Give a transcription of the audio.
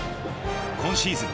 今シーズン